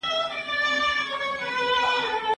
ولي لېواله انسان د با استعداده کس په پرتله برخلیک بدلوي؟